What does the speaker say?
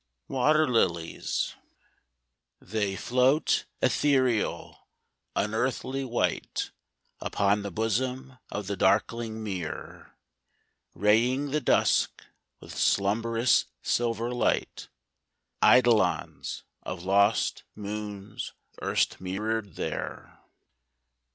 Water Lilies They float ethereal, unearthly white Upon the bosom of the darkling mere, Raying the dusk with slumbrous silver light Eidolons of lost moons erst mirrored there.